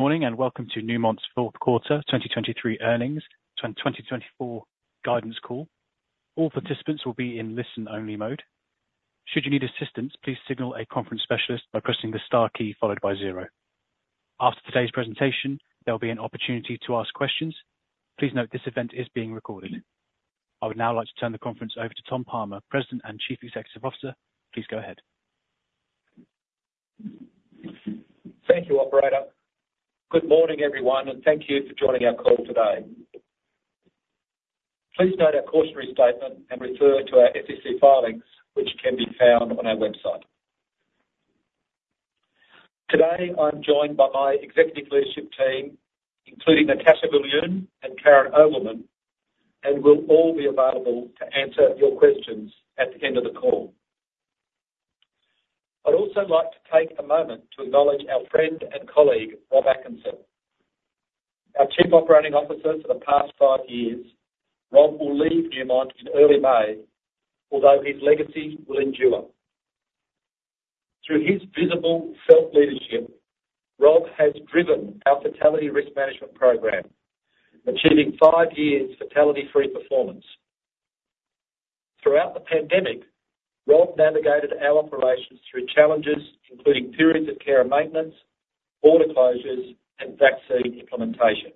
Morning and welcome to Newmont's fourth quarter 2023 earnings and 2024 guidance call. All participants will be in listen-only mode. Should you need assistance, please signal a conference specialist by pressing the star key followed by zero. After today's presentation, there will be an opportunity to ask questions. Please note this event is being recorded. I would now like to turn the conference over to Tom Palmer, President and Chief Executive Officer. Please go ahead. Thank you, Operator. Good morning, everyone, and thank you for joining our call today. Please note our cautionary statement and refer to our SEC filings, which can be found on our website. Today I'm joined by my executive leadership team, including Natascha Viljoen and Karyn Ovelmen, and we'll all be available to answer your questions at the end of the call. I'd also like to take a moment to acknowledge our friend and colleague, Rob Atkinson. Our Chief Operating Officer for the past five years, Rob, will leave Newmont in early May, although his legacy will endure. Through his visible felt leadership, Rob has driven our fatality risk management program, achieving five years' fatality-free performance. Throughout the pandemic, Rob navigated our operations through challenges, including periods of care and maintenance, border closures, and vaccine implementation.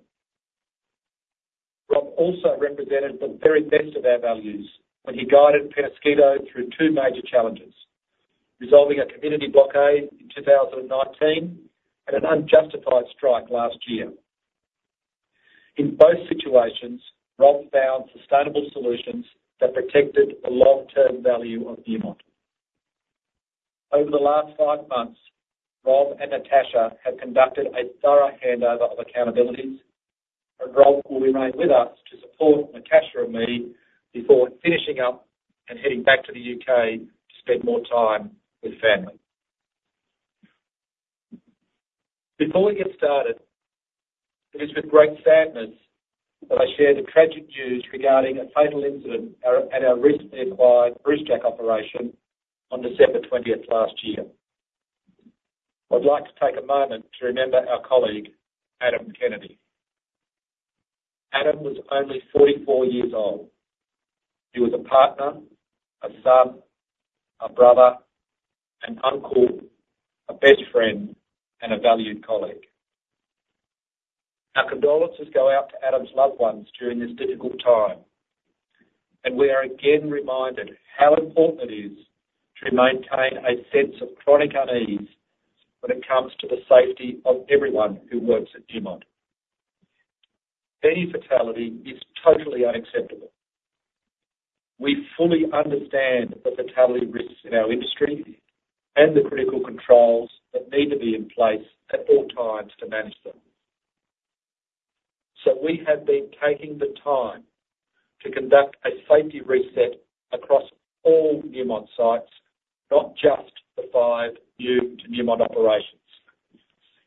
Rob also represented the very best of our values when he guided Peñasquito through two major challenges: resolving a community blockade in 2019 and an unjustified strike last year. In both situations, Rob found sustainable solutions that protected the long-term value of Newmont. Over the last five months, Rob and Natascha have conducted a thorough handover of accountabilities, and Rob will remain with us to support Natascha and me before finishing up and heading back to the U.K. to spend more time with family. Before we get started, it is with great sadness that I share the tragic news regarding a fatal incident at our recently acquired Brucejack operation on December 20th last year. I'd like to take a moment to remember our colleague, Adam Kennedy. Adam was only 44 years old. He was a partner, a son, a brother, an uncle, a best friend, and a valued colleague. Our condolences go out to Adam's loved ones during this difficult time, and we are again reminded how important it is to maintain a sense of chronic unease when it comes to the safety of everyone who works at Newmont. Any fatality is totally unacceptable. We fully understand the fatality risks in our industry and the critical controls that need to be in place at all times to manage them. We have been taking the time to conduct a safety reset across all Newmont sites, not just the five new to Newmont operations,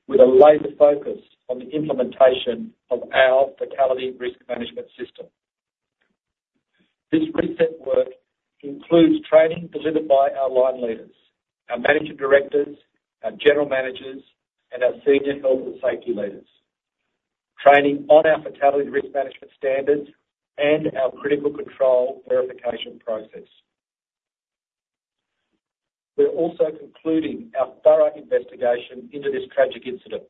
with a laser focus on the implementation of our Fatality Risk Management system. This reset work includes training delivered by our line leaders, our managing directors, our general managers, and our senior health and safety leaders, training on our Fatality Risk Management standards and our Critical Control Verification process. We're also concluding our thorough investigation into this tragic incident,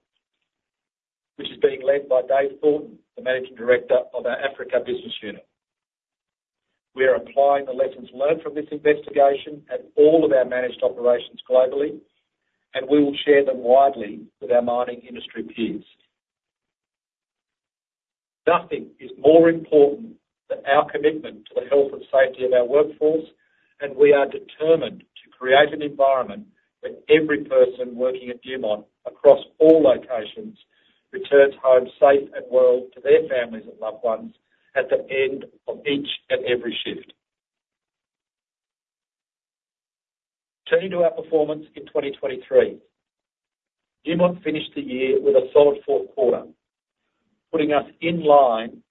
which is being led by Dave Thornton, the Managing Director of our Africa business unit. We are applying the lessons learned from this investigation at all of our managed operations globally, and we will share them widely with our mining industry peers. Nothing is more important than our commitment to the health and safety of our workforce, and we are determined to create an environment where every person working at Newmont across all locations returns home safe and well to their families and loved ones at the end of each and every shift. Turning to our performance in 2023, Newmont finished the year with a solid fourth quarter, putting us in line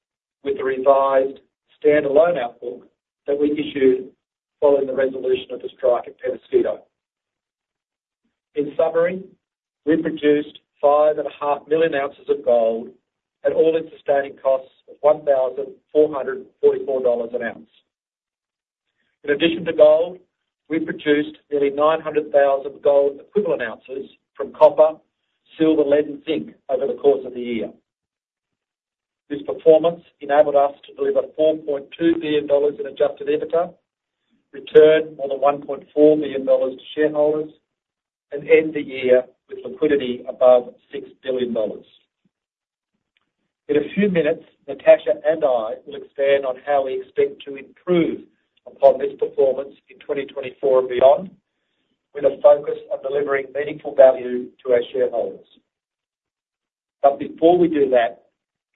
with the revised standalone outlook that we issued following the resolution of the strike at Peñasquito. In summary, we produced 5.5 million ounces of gold at All-in Sustaining Costs of $1,444 an ounce. In addition to gold, we produced nearly 900,000 gold equivalent ounces from copper, silver, lead, and zinc over the course of the year. This performance enabled us to deliver $4.2 billion in Adjusted EBITDA, return more than $1.4 billion to shareholders, and end the year with liquidity above $6 billion. In a few minutes, Natascha and I will expand on how we expect to improve upon this performance in 2024 and beyond with a focus on delivering meaningful value to our shareholders. But before we do that,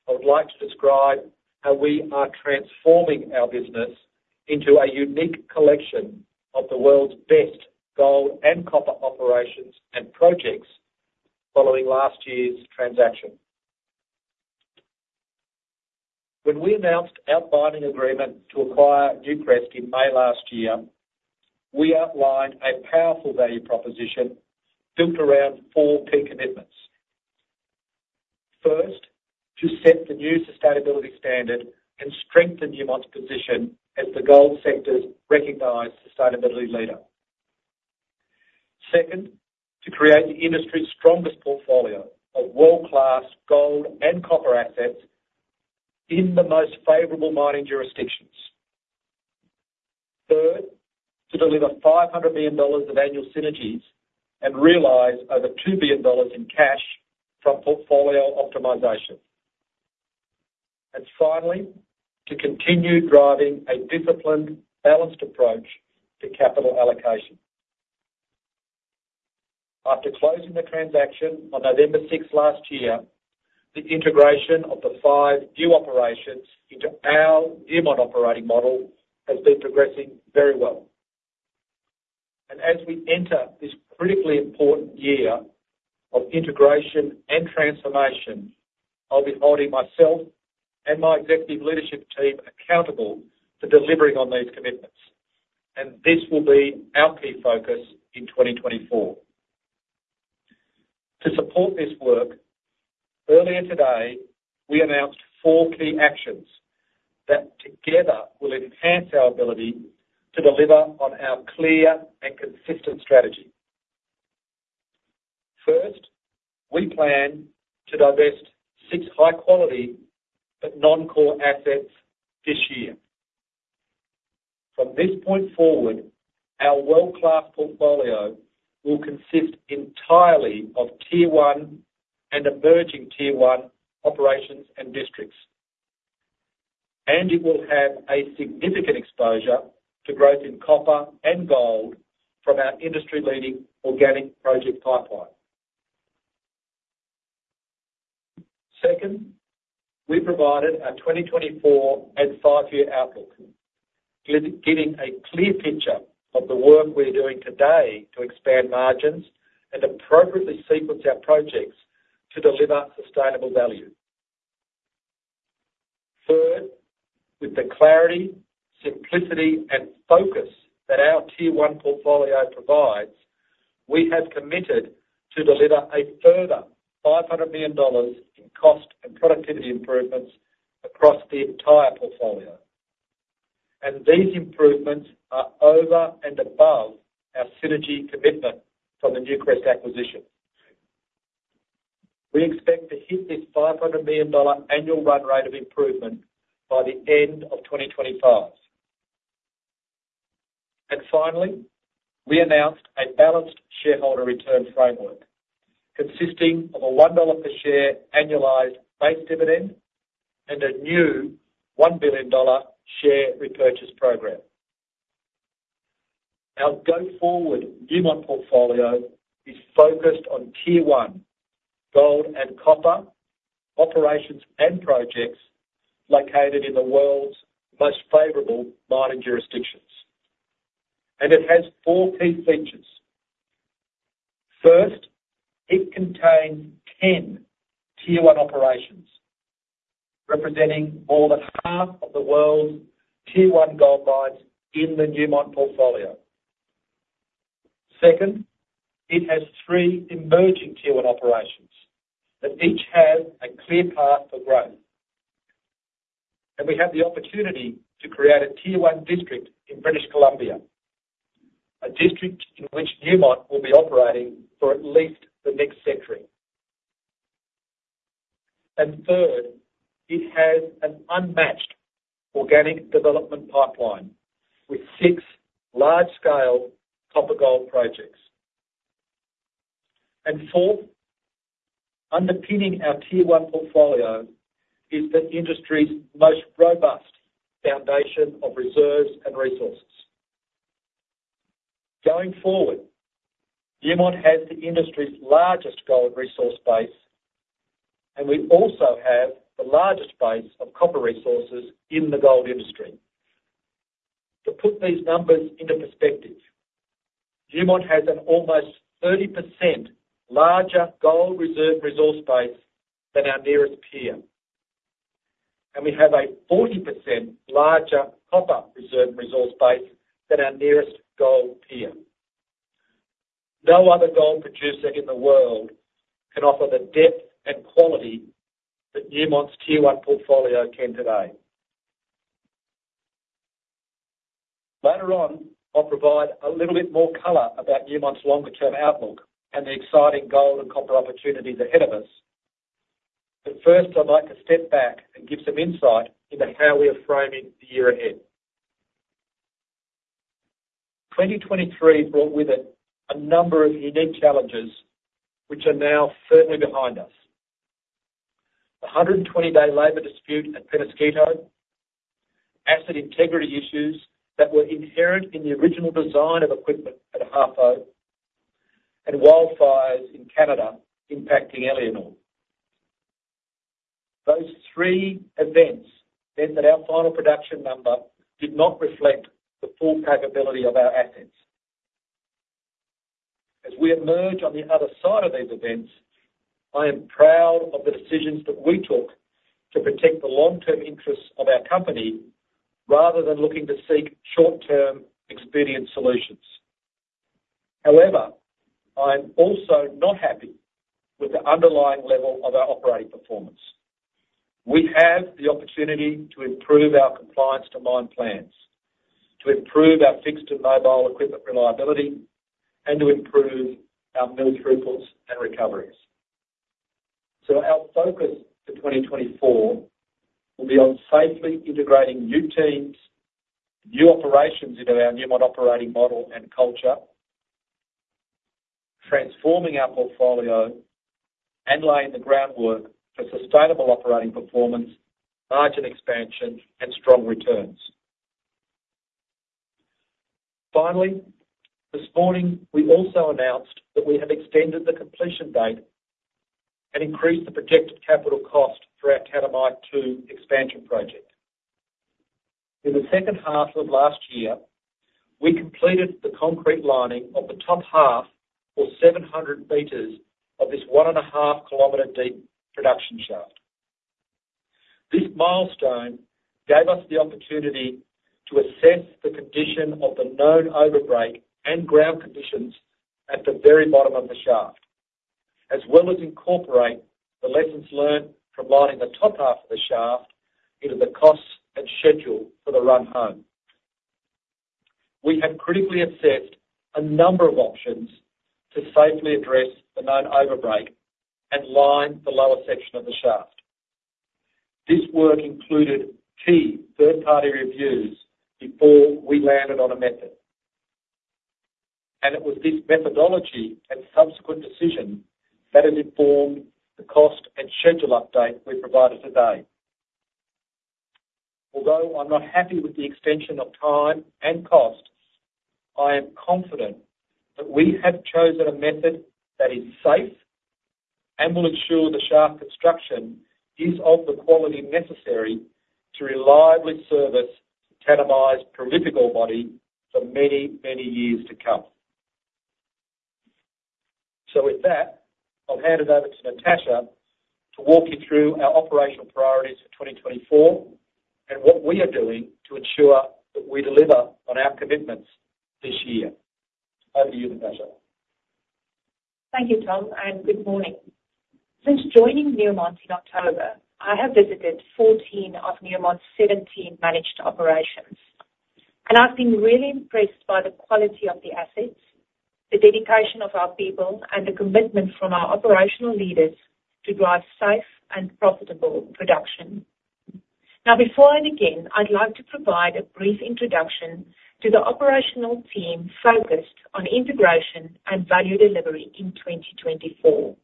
I would like to describe how we are transforming our business into a unique collection of the world's best gold and copper operations and projects following last year's transaction. When we announced our binding agreement to acquire Newcrest in May last year, we outlined a powerful value proposition built around four key commitments. First, to set the new sustainability standard and strengthen Newmont's position as the gold sector's recognized sustainability leader. Second, to create the industry's strongest portfolio of world-class gold and copper assets in the most favorable mining jurisdictions. Third, to deliver $500 million of annual synergies and realize over $2 billion in cash from portfolio optimization. And finally, to continue driving a disciplined, balanced approach to capital allocation. After closing the transaction on November 6th last year, the integration of the five new operations into our Newmont operating model has been progressing very well. As we enter this critically important year of integration and transformation, I'll be holding myself and my executive leadership team accountable for delivering on these commitments, and this will be our key focus in 2024. To support this work, earlier today, we announced four key actions that together will enhance our ability to deliver on our clear and consistent strategy. First, we plan to divest six high-quality but non-core assets this year. From this point forward, our world-class portfolio will consist entirely of Tier 1 and emerging Tier 1 operations and districts, and it will have a significant exposure to growth in copper and gold from our industry-leading organic project pipeline. Second, we provided our 2024 and five-year outlook, giving a clear picture of the work we're doing today to expand margins and appropriately sequence our projects to deliver sustainable value. Third, with the clarity, simplicity, and focus that our Tier 1 portfolio provides, we have committed to deliver a further $500 million in cost and productivity improvements across the entire portfolio. These improvements are over and above our synergy commitment from the Newcrest acquisition. We expect to hit this $500 million annual run rate of improvement by the end of 2025. Finally, we announced a balanced shareholder return framework consisting of a $1 per share annualized base dividend and a new $1 billion share repurchase program. Our go-forward Newmont portfolio is focused on Tier 1 gold and copper operations and projects located in the world's most favorable mining jurisdictions. It has four key features. First, it contains 10 Tier 1 operations representing more than half of the world's Tier 1 gold mines in the Newmont portfolio. Second, it has three emerging Tier 1 operations that each have a clear path for growth. And we have the opportunity to create a Tier 1 district in British Columbia, a district in which Newmont will be operating for at least the next century. And third, it has an unmatched organic development pipeline with six large-scale copper gold projects. And fourth, underpinning our Tier 1 portfolio is the industry's most robust foundation of reserves and resources. Going forward, Newmont has the industry's largest gold resource base, and we also have the largest base of copper resources in the gold industry. To put these numbers into perspective, Newmont has an almost 30% larger gold reserve resource base than our nearest peer. And we have a 40% larger copper reserve resource base than our nearest gold peer. No other gold producer in the world can offer the depth and quality that Newmont's Tier 1 portfolio can today. Later on, I'll provide a little bit more color about Newmont's longer-term outlook and the exciting gold and copper opportunities ahead of us. But first, I'd like to step back and give some insight into how we are framing the year ahead. 2023 brought with it a number of unique challenges, which are now firmly behind us: the 120-day labor dispute at Peñasquito, asset integrity issues that were inherent in the original design of equipment at Ahafo, and wildfires in Canada impacting Éléonore. Those three events meant that our final production number did not reflect the full capability of our assets. As we emerge on the other side of these events, I am proud of the decisions that we took to protect the long-term interests of our company rather than looking to seek short-term expedient solutions. However, I am also not happy with the underlying level of our operating performance. We have the opportunity to improve our compliance to mine plans, to improve our fixed and mobile equipment reliability, and to improve our mill throughputs and recoveries. So our focus for 2024 will be on safely integrating new teams, new operations into our Newmont operating model and culture, transforming our portfolio, and laying the groundwork for sustainable operating performance, margin expansion, and strong returns. Finally, this morning, we also announced that we have extended the completion date and increased the projected capital cost for our Tanami II expansion project. In the second half of last year, we completed the concrete lining of the top half, or 700 meters, of this 1.5-kilometer-deep production shaft. This milestone gave us the opportunity to assess the condition of the known overbreak and ground conditions at the very bottom of the shaft, as well as incorporate the lessons learned from lining the top half of the shaft into the costs and schedule for the run home. We have critically assessed a number of options to safely address the known overbreak and line the lower section of the shaft. This work included key third-party reviews before we landed on a method. It was this methodology and subsequent decision that has informed the cost and schedule update we provided today. Although I'm not happy with the extension of time and cost, I am confident that we have chosen a method that is safe and will ensure the shaft construction is of the quality necessary to reliably service Tanami's prolific ore body for many, many years to come. So with that, I'll hand it over to Natascha to walk you through our operational priorities for 2024 and what we are doing to ensure that we deliver on our commitments this year. Over to you, Natascha. Thank you, Tom, and good morning. Since joining Newmont in October, I have visited 14 of Newmont's 17 managed operations. I've been really impressed by the quality of the assets, the dedication of our people, and the commitment from our operational leaders to drive safe and profitable production. Now, before I begin, I'd like to provide a brief introduction to the operational team focused on integration and value delivery in 2024.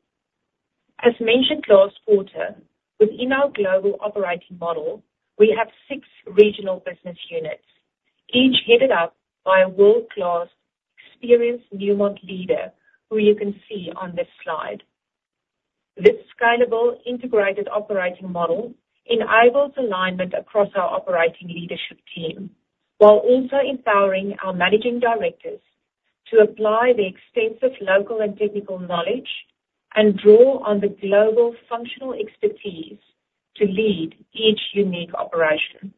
As mentioned last quarter, within our global operating model, we have six regional business units, each headed up by a world-class experienced Newmont leader who you can see on this slide. This scalable, integrated operating model enables alignment across our operating leadership team while also empowering our managing directors to apply their extensive local and technical knowledge and draw on the global functional expertise to lead each unique operation.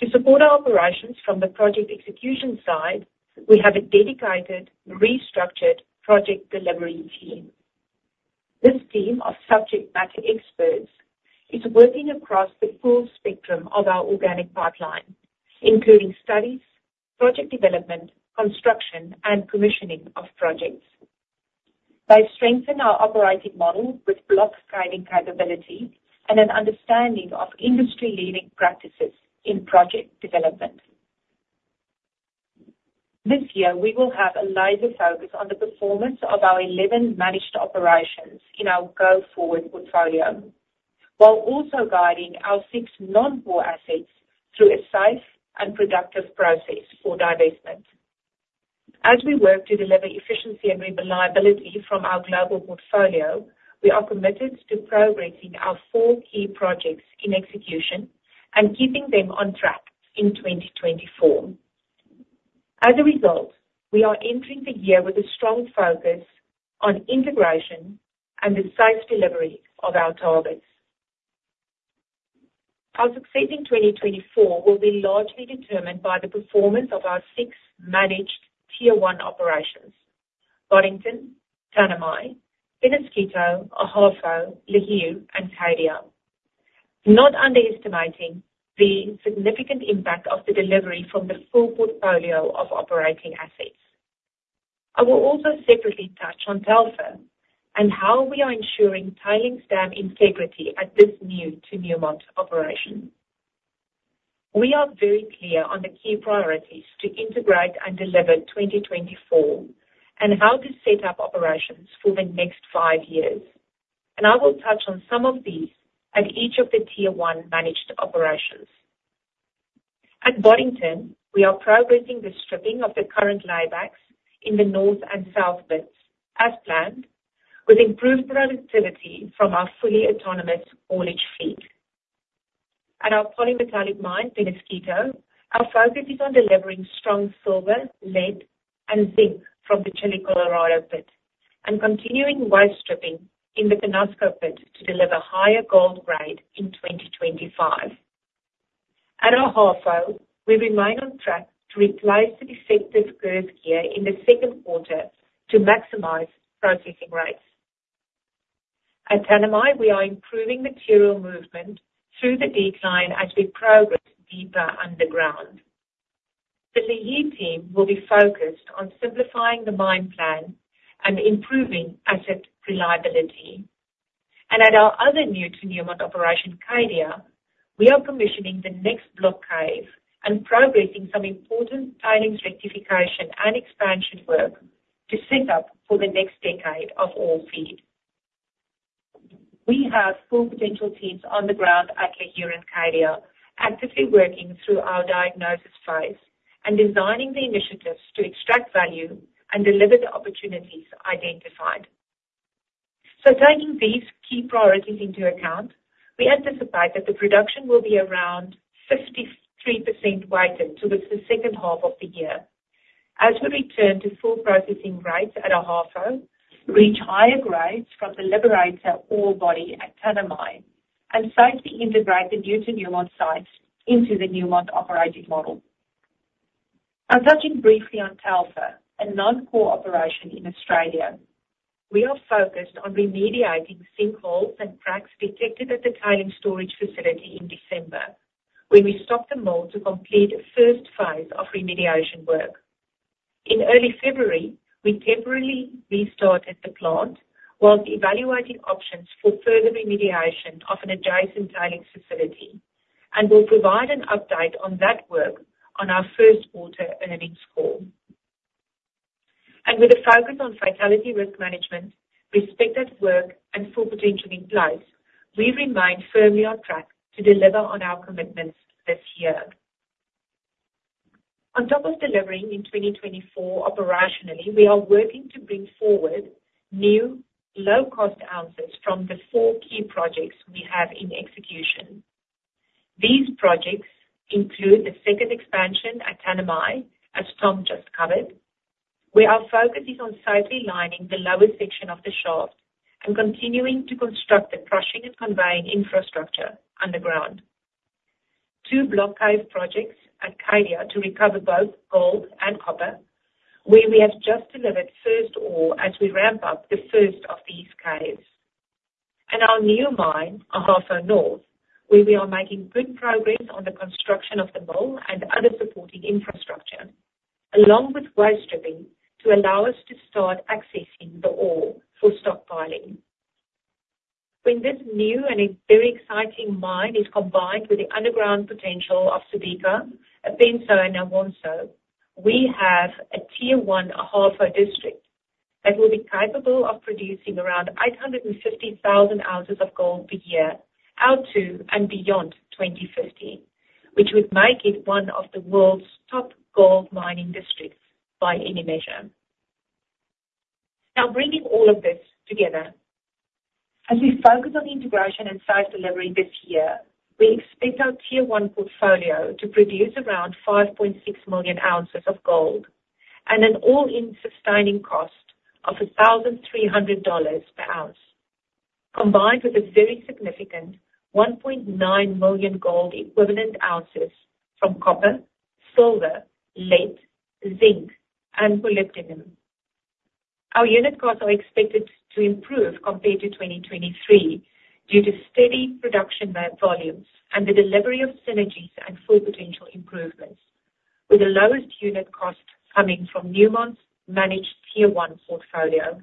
To support our operations from the project execution side, we have a dedicated, restructured project delivery team. This team of subject matter experts is working across the full spectrum of our organic pipeline, including studies, project development, construction, and commissioning of projects. They strengthen our operating model with block caving capability and an understanding of industry-leading practices in project development. This year, we will have a lighter focus on the performance of our 11 managed operations in our go-forward portfolio while also guiding our six non-core assets through a safe and productive process for divestment. As we work to deliver efficiency and reliability from our global portfolio, we are committed to progressing our four key projects in execution and keeping them on track in 2024. As a result, we are entering the year with a strong focus on integration and the safe delivery of our targets. Our success in 2024 will be largely determined by the performance of our six managed Tier 1 operations: Boddington, Tanami, Peñasquito, Ahafo, Lihir, and Cadia. Not underestimating the significant impact of the delivery from the full portfolio of operating assets. I will also separately touch on Telfer and how we are ensuring tailings dam integrity at this new-to-Newmont operation. We are very clear on the key priorities to integrate and deliver 2024 and how to set up operations for the next five years. I will touch on some of these at each of the Tier 1 managed operations. At Boddington, we are progressing the stripping of the current laybacks in the north and south pits as planned with improved productivity from our fully autonomous haulage fleet. At our polymetallic mine, Peñasquito, our focus is on delivering strong silver, lead, and zinc from the Chile Colorado pit and continuing waste stripping in the Peñasco pit to deliver higher gold grade in 2025. At Ahafo, we remain on track to replace the defective girth gear in the second quarter to maximize processing rates. At Tanami, we are improving material movement through the decline as we progress deeper underground. The Lihir team will be focused on simplifying the mine plan and improving asset reliability. At our other new-to-Newmont operation, Cadia, we are commissioning the next block cave and progressing some important tailings rectification and expansion work to set up for the next decade of ore feed. We have Full Potential teams on the ground at Lihir and Cadia actively working through our diagnosis phase and designing the initiatives to extract value and deliver the opportunities identified. Taking these key priorities into account, we anticipate that the production will be around 53% weighted towards the second half of the year as we return to full processing rates at Ahafo, reach higher grades from the Liberator ore body at Tanami, and safely integrate the new-to-Newmont sites into the Newmont operating model. Now, touching briefly on Telfer, a non-core operation in Australia, we are focused on remediating sinkholes and cracks detected at the Tailings Storage Facility in December when we stopped the mill to complete a first phase of remediation work. In early February, we temporarily restarted the plant while evaluating options for further remediation of an adjacent Tailings Storage Facility and will provide an update on that work on our first quarter earnings call. And with a focus on Fatality Risk Management, Respect at Work, and Full Potential in place, we remain firmly on track to deliver on our commitments this year. On top of delivering in 2024 operationally, we are working to bring forward new low-cost ounces from the four key projects we have in execution. These projects include the second expansion at Tanami, as Tom just covered, where our focus is on safely lining the lower section of the shaft and continuing to construct the crushing and conveying infrastructure underground. Two block cave projects at Cadia to recover both gold and copper, where we have just delivered first ore as we ramp up the first of these caves. Our new mine, Ahafo North, where we are making good progress on the construction of the mill and other supporting infrastructure, along with waste stripping to allow us to start accessing the ore for stockpiling. When this new and very exciting mine is combined with the underground potential of Subika, Apensu, and Awonsu, we have a Tier 1 Ahafo district that will be capable of producing around 850,000 ounces of gold per year out to and beyond 2050, which would make it one of the world's top gold mining districts by any measure. Now, bringing all of this together, as we focus on integration and size delivery this year, we expect our Tier 1 portfolio to produce around 5.6 million ounces of gold and an all-in sustaining cost of $1,300 per ounce, combined with a very significant 1.9 million gold equivalent ounces from copper, silver, lead, zinc, and molybdenum. Our unit costs are expected to improve compared to 2023 due to steady production volumes and the delivery of synergies and Full Potential improvements, with the lowest unit cost coming from Newmont's managed Tier 1 portfolio.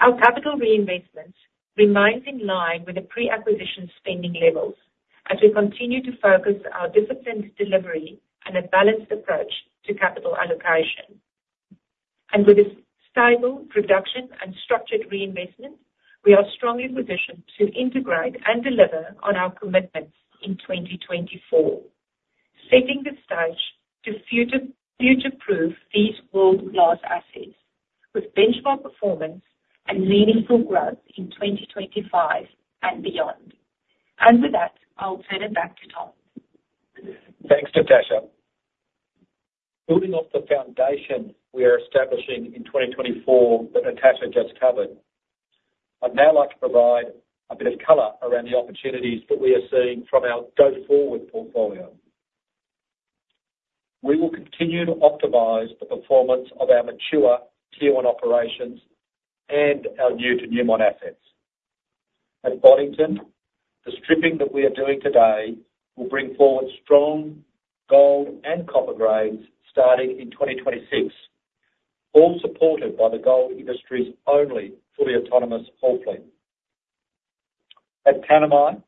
Our capital reinvestments remain in line with the pre-acquisition spending levels as we continue to focus our disciplined delivery and a balanced approach to capital allocation. And with a stable production and structured reinvestment, we are strongly positioned to integrate and deliver on our commitments in 2024, setting the stage to future-proof these world-class assets with benchmark performance and meaningful growth in 2025 and beyond. And with that, I'll turn it back to Tom. Thanks, Natascha. Building off the foundation we are establishing in 2024 that Natascha just covered, I'd now like to provide a bit of color around the opportunities that we are seeing from our go-forward portfolio. We will continue to optimize the performance of our mature Tier 1 operations and our new-to-Newmont assets. At Boddington, the stripping that we are doing today will bring forward strong gold and copper grades starting in 2026, all supported by the gold industry's only fully autonomous haul fleet. At Tanami,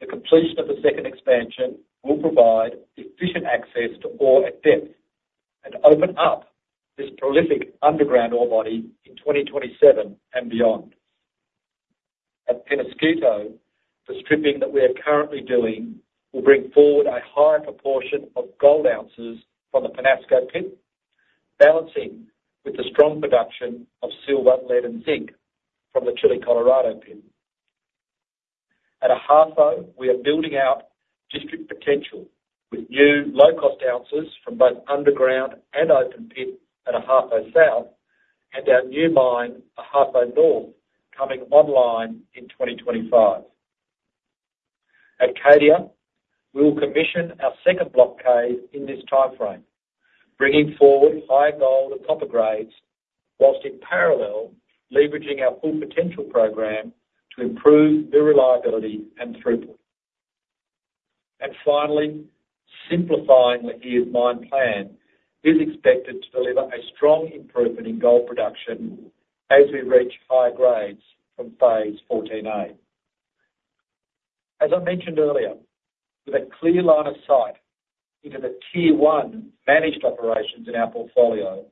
the completion of the second expansion will provide efficient access to ore at depth and open up this prolific underground ore body in 2027 and beyond. At Peñasquito, the stripping that we are currently doing will bring forward a higher proportion of gold ounces from the Peñasco pit, balancing with the strong production of silver, lead, and zinc from the Chile Colorado pit. At Ahafo, we are building out district potential with new low-cost ounces from both underground and open pit at Ahafo South and our new mine, Ahafo North, coming online in 2025. At Cadia, we will commission our second block cave in this timeframe, bringing forward higher gold and copper grades while in parallel leveraging our Full Potential program to improve the reliability and throughput. Finally, simplifying the year's mine plan is expected to deliver a strong improvement in gold production as we reach higher grades from Phase 14A. As I mentioned earlier, with a clear line of sight into the Tier 1 managed operations in our portfolio,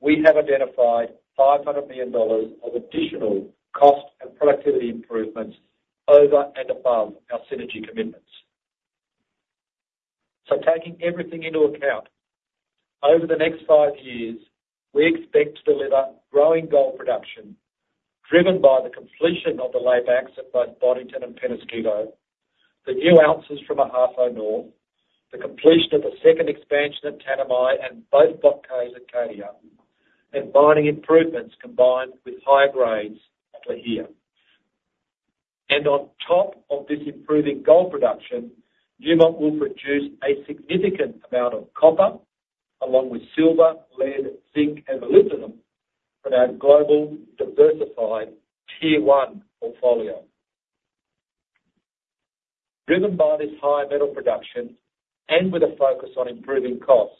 we have identified $500 million of additional cost and productivity improvements over and above our synergy commitments. So taking everything into account, over the next five years, we expect to deliver growing gold production driven by the completion of the laybacks at both Boddington and Peñasquito, the new ounces from Ahafo North, the completion of the second expansion at Tanami and both block caves at Cadia, and mining improvements combined with higher grades at Lihir. On top of this improving gold production, Newmont will produce a significant amount of copper along with silver, lead, zinc, and molybdenum from our global diversified Tier 1 portfolio. Driven by this high metal production and with a focus on improving costs,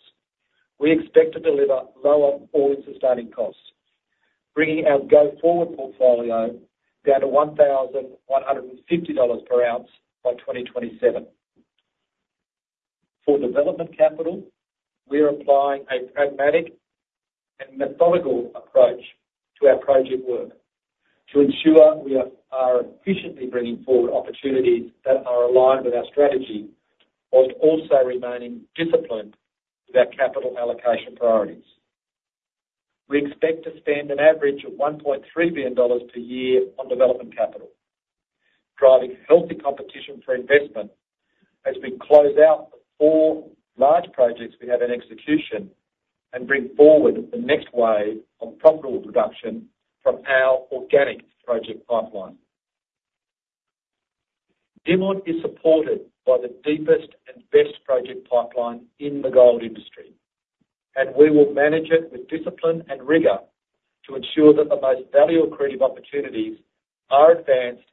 we expect to deliver lower All-In Sustaining Costs, bringing our go-forward portfolio down to $1,150 per ounce by 2027. For development capital, we are applying a pragmatic and methodical approach to our project work to ensure we are efficiently bringing forward opportunities that are aligned with our strategy while also remaining disciplined with our capital allocation priorities. We expect to spend an average of $1.3 billion per year on development capital, driving healthy competition for investment as we close out the four large projects we have in execution and bring forward the next wave of profitable production from our organic project pipeline. Newmont is supported by the deepest and best project pipeline in the gold industry. We will manage it with discipline and rigor to ensure that the most value creative opportunities are advanced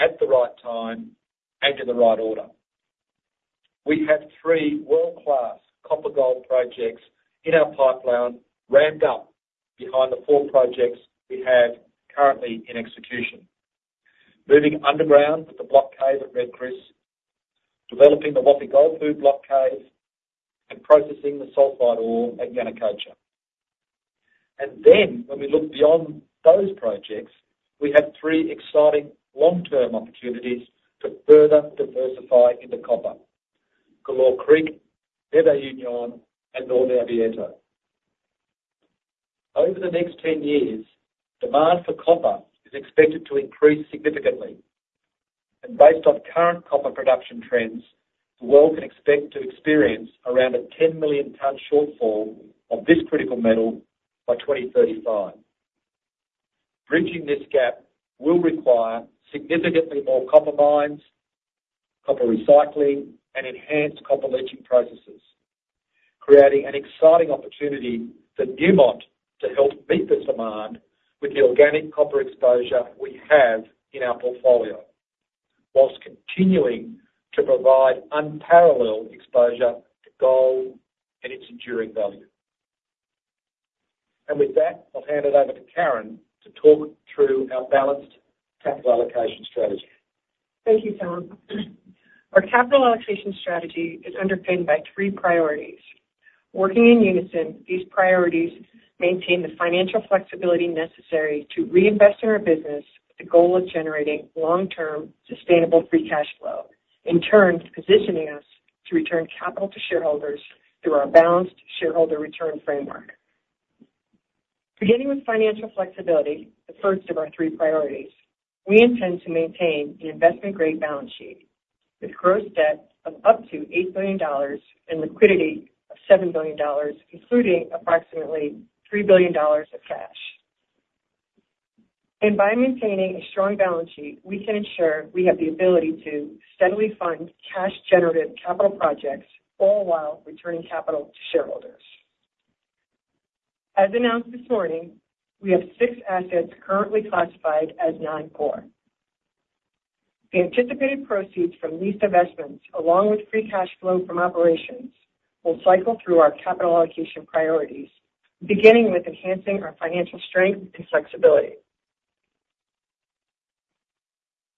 at the right time and in the right order. We have three world-class copper-gold projects in our pipeline ramped up behind the four projects we have currently in execution: moving underground at the Block Cave at Red Chris, developing the Wafi-Golpu Block Cave, and processing the sulfide ore at Yanacocha. And then when we look beyond those projects, we have three exciting long-term opportunities to further diversify into copper: Galore Creek, Nueva Unión, and Norte Abierto. Over the next 10 years, demand for copper is expected to increase significantly. And based on current copper production trends, the world can expect to experience around a 10 million-tonne shortfall of this critical metal by 2035. Bridging this gap will require significantly more copper mines, copper recycling, and enhanced copper leaching processes, creating an exciting opportunity for Newmont to help meet this demand with the organic copper exposure we have in our portfolio while continuing to provide unparalleled exposure to gold and its enduring value. With that, I'll hand it over to Karyn to talk through our balanced capital allocation strategy. Thank you, Tom. Our capital allocation strategy is underpinned by three priorities. Working in unison, these priorities maintain the financial flexibility necessary to reinvest in our business with the goal of generating long-term sustainable free cash flow, in turn positioning us to return capital to shareholders through our balanced shareholder return framework. Beginning with financial flexibility, the first of our three priorities, we intend to maintain an investment-grade balance sheet with gross debt of up to $8 billion and liquidity of $7 billion, including approximately $3 billion of cash. By maintaining a strong balance sheet, we can ensure we have the ability to steadily fund cash-generative capital projects all while returning capital to shareholders. As announced this morning, we have six assets currently classified as non-core. The anticipated proceeds from lease investments, along with free cash flow from operations, will cycle through our capital allocation priorities, beginning with enhancing our financial strength and flexibility.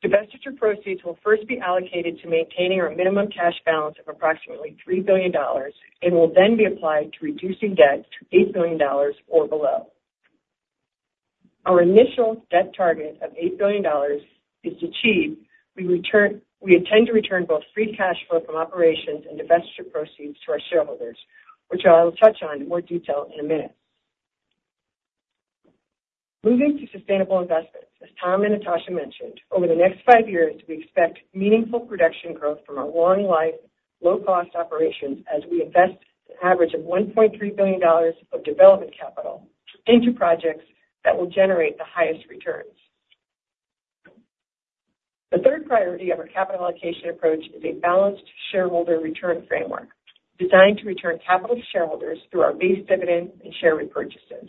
Divestiture proceeds will first be allocated to maintaining our minimum cash balance of approximately $3 billion and will then be applied to reducing debt to $8 billion or below. Our initial debt target of $8 billion is to achieve we intend to return both free cash flow from operations and divestiture proceeds to our shareholders, which I'll touch on in more detail in a minute. Moving to sustainable investments, as Tom and Natascha mentioned, over the next five years, we expect meaningful production growth from our long-life, low-cost operations as we invest an average of $1.3 billion of development capital into projects that will generate the highest returns. The third priority of our capital allocation approach is a balanced shareholder return framework designed to return capital to shareholders through our base dividend and share repurchases.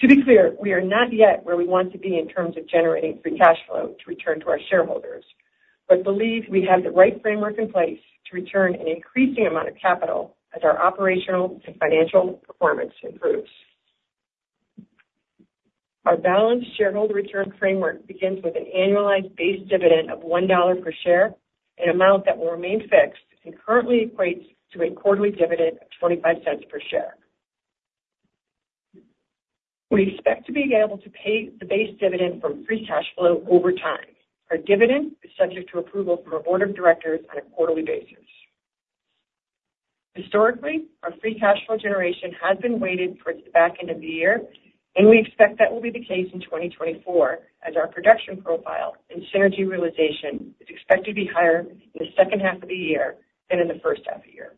To be clear, we are not yet where we want to be in terms of generating free cash flow to return to our shareholders, but believe we have the right framework in place to return an increasing amount of capital as our operational and financial performance improves. Our balanced shareholder return framework begins with an annualized base dividend of $1 per share, an amount that will remain fixed and currently equates to a quarterly dividend of $0.25 per share. We expect to be able to pay the base dividend from free cash flow over time. Our dividend is subject to approval from our Board of Directors on a quarterly basis. Historically, our free cash flow generation has been weighted towards the back end of the year, and we expect that will be the case in 2024 as our production profile and synergy realization is expected to be higher in the second half of the year than in the first half of the year.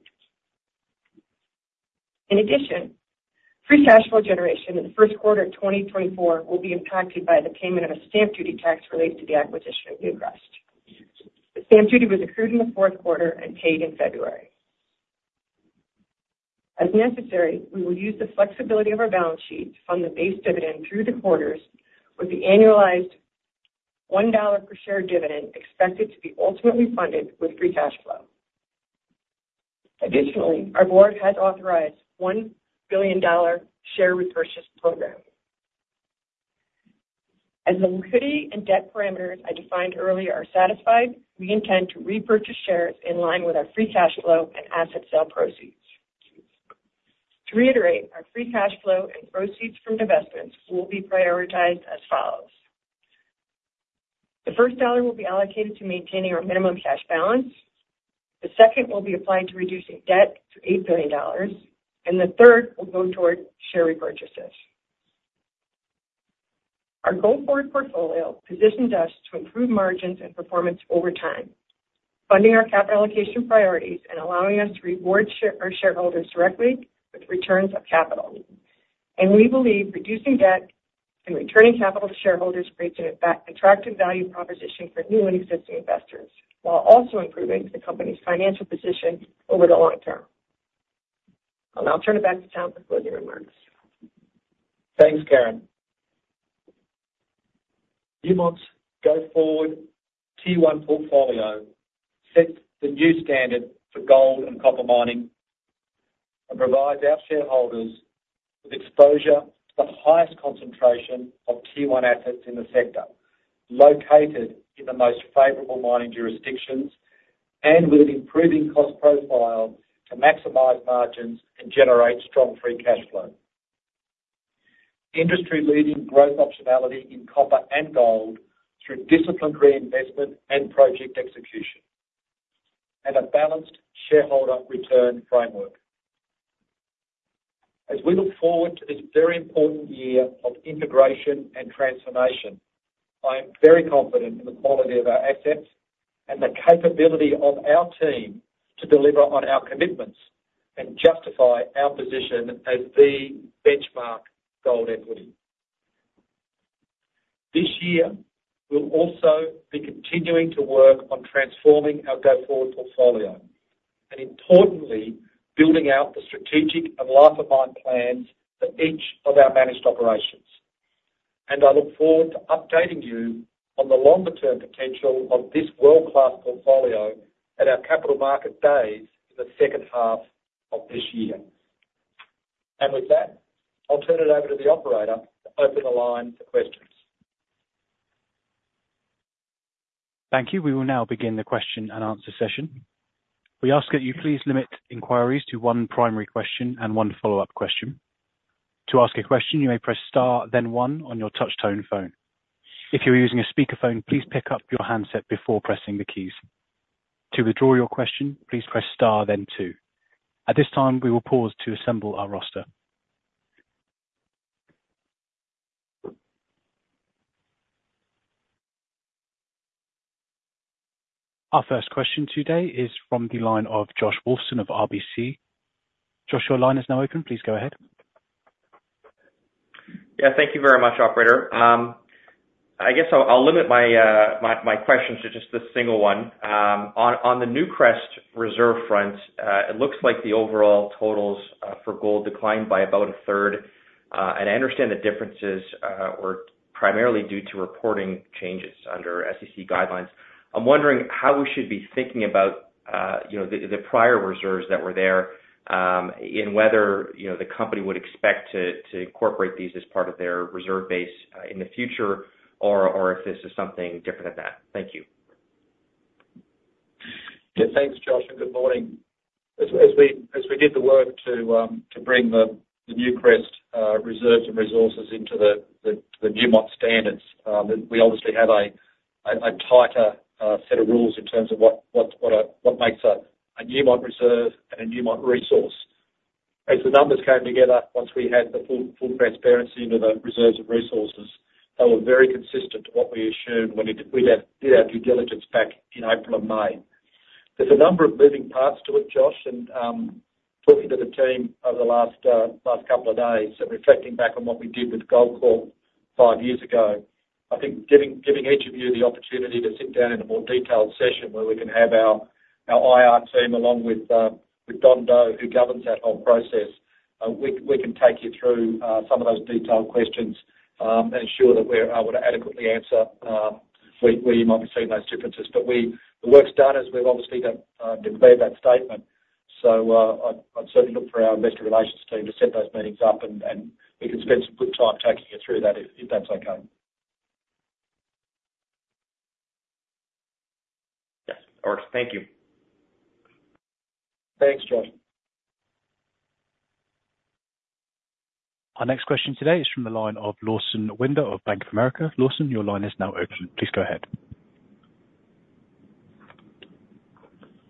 In addition, free cash flow generation in the first quarter of 2024 will be impacted by the payment of a stamp duty tax related to the acquisition of Newcrest. The stamp duty was accrued in the fourth quarter and paid in February. As necessary, we will use the flexibility of our balance sheet to fund the base dividend through the quarters, with the annualized $1 per share dividend expected to be ultimately funded with free cash flow. Additionally, our board has authorized $1 billion share repurchase program. As the liquidity and debt parameters I defined earlier are satisfied, we intend to repurchase shares in line with our free cash flow and asset sale proceeds. To reiterate, our free cash flow and proceeds from investments will be prioritized as follows. The first dollar will be allocated to maintaining our minimum cash balance. The second will be applied to reducing debt to $8 billion. The third will go toward share repurchases. Our go-forward portfolio positions us to improve margins and performance over time, funding our capital allocation priorities and allowing us to reward our shareholders directly with returns of capital. We believe reducing debt and returning capital to shareholders creates an attractive value proposition for new and existing investors while also improving the company's financial position over the long term. I'll turn it back to Tom for closing remarks. Thanks, Karyn. Newmont's go-forward Tier 1 portfolio sets the new standard for gold and copper mining and provides our shareholders with exposure to the highest concentration of Tier 1 assets in the sector, located in the most favorable mining jurisdictions and with an improving cost profile to maximize margins and generate strong free cash flow, industry-leading growth optionality in copper and gold through disciplined reinvestment and project execution, and a balanced shareholder return framework. As we look forward to this very important year of integration and transformation, I am very confident in the quality of our assets and the capability of our team to deliver on our commitments and justify our position as the benchmark gold equity. This year, we'll also be continuing to work on transforming our go-forward portfolio and, importantly, building out the strategic and life of mine plans for each of our managed operations. I look forward to updating you on the longer-term potential of this world-class portfolio at our capital market days in the second half of this year. With that, I'll turn it over to the operator to open the line for questions. Thank you. We will now begin the question and answer session. We ask that you please limit inquiries to one primary question and one follow-up question. To ask a question, you may press star, then one on your touch-tone phone. If you're using a speakerphone, please pick up your handset before pressing the keys. To withdraw your question, please press star, then two. At this time, we will pause to assemble our roster. Our first question today is from the line of Josh Wolfson of RBC. Josh, your line is now open. Please go ahead. Yeah. Thank you very much, operator. I guess I'll limit my questions to just this single one. On the Newcrest reserve front, it looks like the overall totals for gold declined by about a third. And I understand the differences were primarily due to reporting changes under SEC guidelines. I'm wondering how we should be thinking about the prior reserves that were there and whether the company would expect to incorporate these as part of their reserve base in the future or if this is something different than that. Thank you. Yeah. Thanks, Josh. And good morning. As we did the work to bring the Newcrest reserves and resources into the Newmont standards, we obviously have a tighter set of rules in terms of what makes a Newmont reserve and a Newmont resource. As the numbers came together once we had the full transparency into the reserves and resources, they were very consistent to what we assumed when we did our due diligence back in April and May. There's a number of moving parts to it, Josh. And talking to the team over the last couple of days and reflecting back on what we did with Goldcorp five years ago, I think giving each of you the opportunity to sit down in a more detailed session where we can have our IR team along with Don Doe, who governs that whole process, we can take you through some of those detailed questions and ensure that we're able to adequately answer where you might be seeing those differences. But the work's done as we've obviously declared that statement. So I'd certainly look for our investor relations team to set those meetings up. And we can spend some good time taking you through that if that's okay. Yes. That works. Thank you. Thanks, Josh. Our next question today is from the line of Lawson Winder of Bank of America. Lawson, your line is now open. Please go ahead.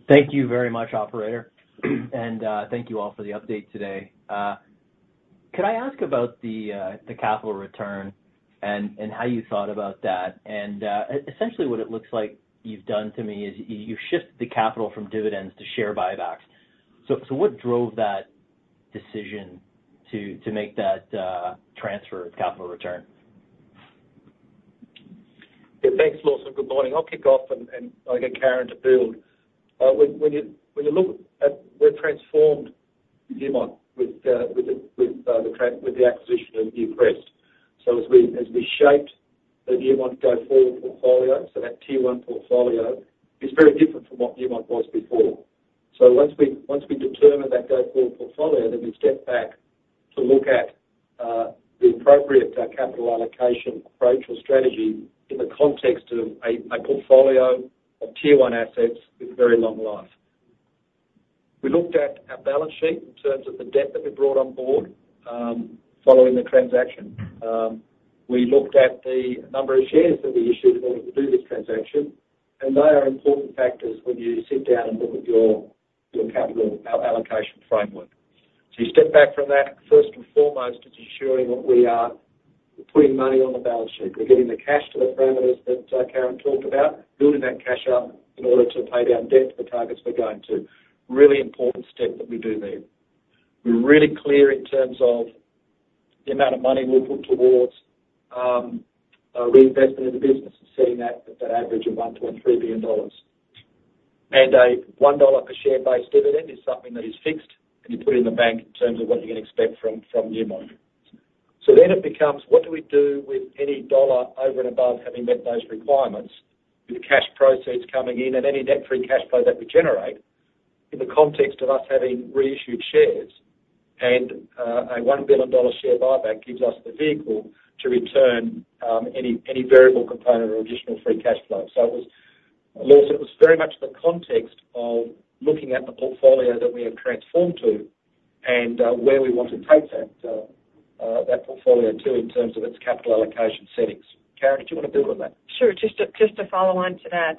Thank you very much, operator. And thank you all for the update today. Could I ask about the capital return and how you thought about that? And essentially, what it looks like you've done to me is you've shifted the capital from dividends to share buybacks. So what drove that decision to make that transfer of capital return? Yeah. Thanks, Lawson. Good morning. I'll kick off and I'll get Karyn to build. When you look at we've transformed Newmont with the acquisition of Newcrest. So as we shaped the Newmont go-forward portfolio, so that Tier 1 portfolio, it's very different from what Newmont was before. So once we determine that go-forward portfolio, then we step back to look at the appropriate capital allocation approach or strategy in the context of a portfolio of Tier 1 assets with very long life. We looked at our balance sheet in terms of the debt that we brought on board following the transaction. We looked at the number of shares that we issued in order to do this transaction. And they are important factors when you sit down and look at your capital, our allocation framework. So you step back from that. First and foremost, it's ensuring that we are putting money on the balance sheet. We're getting the cash to the parameters that Karyn talked about, building that cash up in order to pay down debt to the targets we're going to. Really important step that we do there. We're really clear in terms of the amount of money we'll put towards reinvestment in the business and setting that average of $1.3 billion. A $1 per share-based dividend is something that is fixed, and you put it in the bank in terms of what you're going to expect from Newmont. Then it becomes, what do we do with any dollar over and above having met those requirements, with cash proceeds coming in and any net free cash flow that we generate in the context of us having reissued shares? A $1 billion share buyback gives us the vehicle to return any variable component or additional free cash flow. Lawson, it was very much the context of looking at the portfolio that we have transformed to and where we want to take that portfolio to in terms of its capital allocation settings. Karyn, did you want to build on that? Sure. Just a follow-on to that.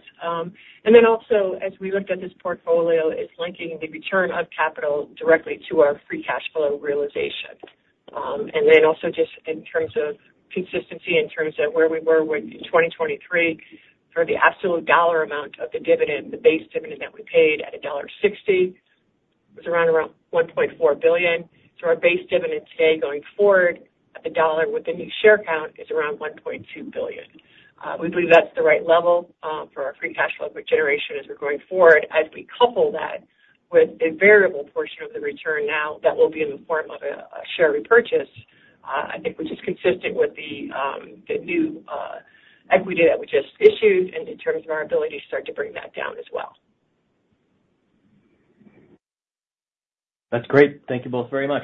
And then also, as we looked at this portfolio, it's linking the return of capital directly to our free cash flow realization. And then also just in terms of consistency, in terms of where we were in 2023 for the absolute dollar amount of the dividend, the base dividend that we paid at $1.60 was around $1.4 billion. So our base dividend today going forward at the dollar with the new share count is around $1.2 billion. We believe that's the right level for our free cash flow generation as we're going forward. As we couple that with a variable portion of the return now that will be in the form of a share repurchase, I think which is consistent with the new equity that we just issued and in terms of our ability to start to bring that down as well. That's great. Thank you both very much.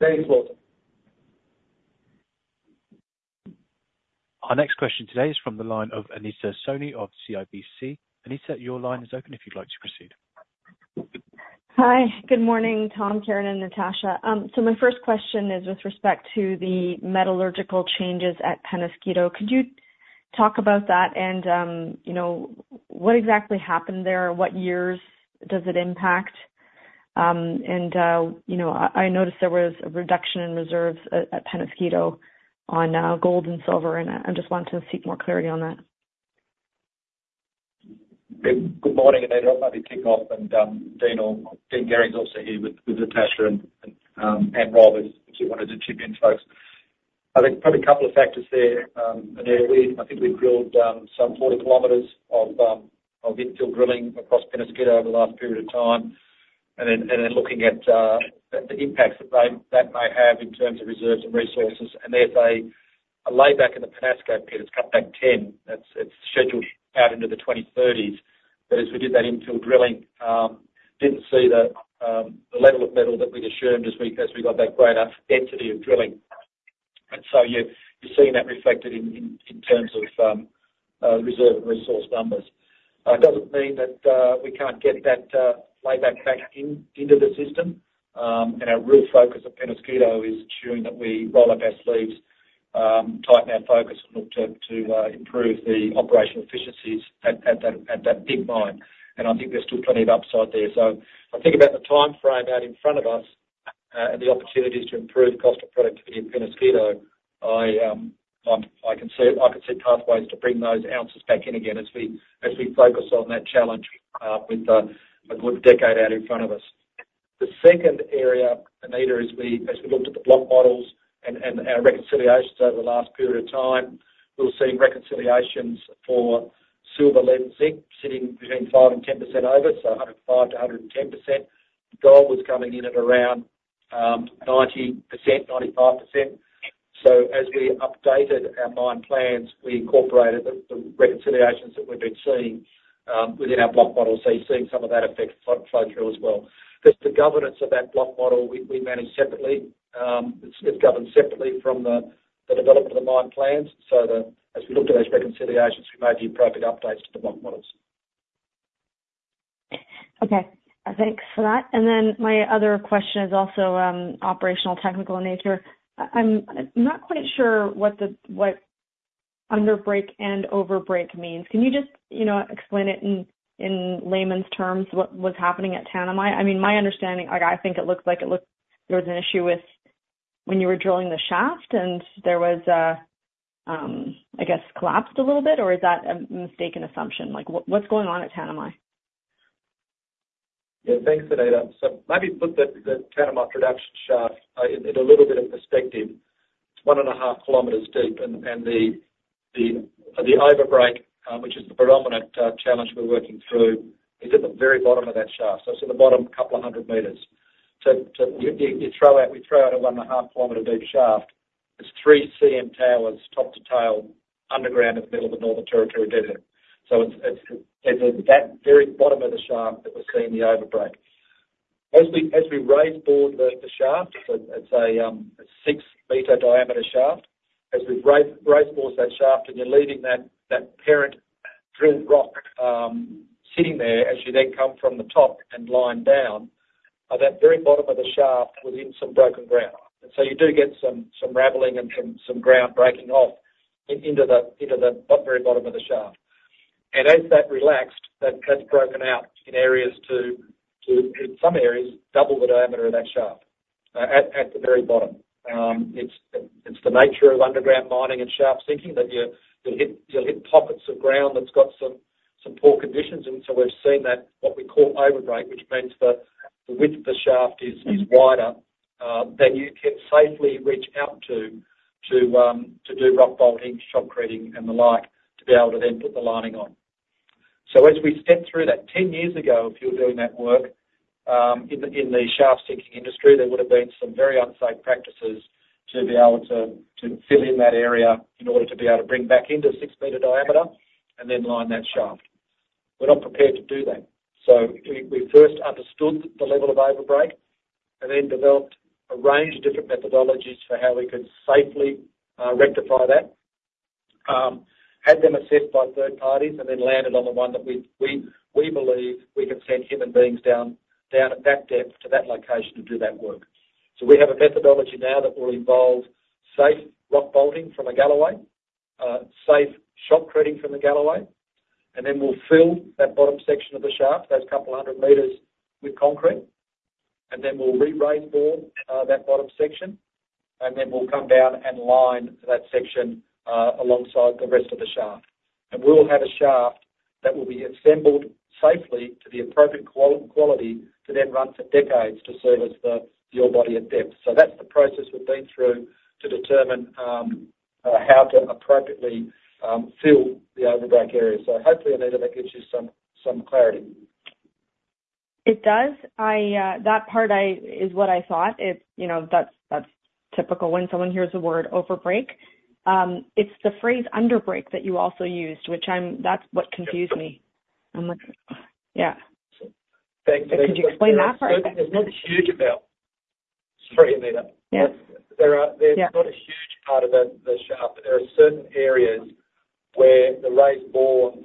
Thanks, Lawson. Our next question today is from the line of Anita Soni of CIBC. Anita, your line is open if you'd like to proceed. Hi. Good morning, Tom, Karyn, and Natascha. So my first question is with respect to the metallurgical changes at Peñasquito. Could you talk about that and what exactly happened there? What years does it impact? And I noticed there was a reduction in reserves at Peñasquito on gold and silver. And I just want to seek more clarity on that. Good morning, Anita. I'll let you kick off. Dean Gehring's also here with Natascha and Rob, if you wanted to chip in, folks. I think probably a couple of factors there. Anita, I think we've drilled some 40 kilometers of infill drilling across Peñasquito over the last period of time. And then looking at the impacts that that may have in terms of reserves and resources. And there's a layback in the Peñasco pit. It's Cutback 10. It's scheduled out into the 2030s. But as we did that infill drilling, didn't see the level of metal that we'd assumed as we got that great density of drilling. And so you're seeing that reflected in terms of reserve and resource numbers. It doesn't mean that we can't get that layback back into the system. Our real focus at Peñasquito is ensuring that we roll up our sleeves, tighten our focus, and look to improve the operational efficiencies at that big mine. I think there's still plenty of upside there. I think about the timeframe out in front of us and the opportunities to improve cost and productivity at Peñasquito. I can see pathways to bring those ounces back in again as we focus on that challenge with a good decade out in front of us. The second area, Anita, is as we looked at the block models and our reconciliations over the last period of time, we were seeing reconciliations for silver, lead, and zinc sitting between 5%-10% over, so 105%-110%. Gold was coming in at around 90%, 95%. So as we updated our mine plans, we incorporated the reconciliations that we've been seeing within our block model. So you're seeing some of that effect flow through as well. Just the governance of that block model, we manage separately. It's governed separately from the development of the mine plans. So as we looked at those reconciliations, we made the appropriate updates to the block models. Okay. Thanks for that. And then my other question is also operational, technical in nature. I'm not quite sure what underbreak and overbreak means. Can you just explain it in layman's terms? What was happening at Tanami? I mean, my understanding, I think it looked like there was an issue when you were drilling the shaft and there was, I guess, collapsed a little bit. Or is that a mistaken assumption? What's going on at Tanami? Yeah. Thanks, Anita. So let me put the Tanami production shaft in a little bit of perspective. It's 1.5 kilometers deep. And the overbreak, which is the predominant challenge we're working through, is at the very bottom of that shaft. So it's in the bottom couple hundred meters. So we throw out a 1.5 Km deep shaft. It's 3 CM towers top to tail underground in the middle of the Northern Territory down there. So it's at that very bottom of the shaft that we're seeing the overbreak. As we raisebored the shaft, it's a six-meter diameter shaft. As we raisebored that shaft and you're leaving that parent drilled rock sitting there as you then come from the top and line down, that very bottom of the shaft was in some broken ground. And so you do get some rattling and some ground breaking off into the very bottom of the shaft. And as that relaxed, that's broken out in areas too, in some areas, double the diameter of that shaft at the very bottom. It's the nature of underground mining and shaft sinking that you'll hit pockets of ground that's got some poor conditions. And so we've seen what we call overbreak, which means the width of the shaft is wider. Then you can safely reach out to do rock bolting, shotcreting, and the like to be able to then put the lining on. So as we stepped through that 10 years ago, if you were doing that work in the shaft sinking industry, there would have been some very unsafe practices to be able to fill in that area in order to be able to bring back into six-meter diameter and then line that shaft. We're not prepared to do that. So we first understood the level of overbreak and then developed a range of different methodologies for how we could safely rectify that, had them assessed by third parties, and then landed on the one that we believe we can send human beings down at that depth to that location to do that work. So we have a methodology now that will involve safe rock bolting from a Galloway, safe shotcreting from the Galloway. And then we'll fill that bottom section of the shaft, those couple of 100 meters, with concrete. And then we'll re-raisebore that bottom section. And then we'll come down and line that section alongside the rest of the shaft. And we'll have a shaft that will be assembled safely to the appropriate quality to then run for decades to service the ore body at depth. So that's the process we've been through to determine how to appropriately fill the overbreak area. So hopefully, Anita, that gives you some clarity. It does. That part is what I thought. That's typical when someone hears the word overbreak. It's the phrase underbreak that you also used, which that's what confused me. Yeah. Thanks. Thank you. Could you explain that part? It's not a huge amount. Sorry, Anita. There's not a huge part of the shaft. But there are certain areas where the raisebored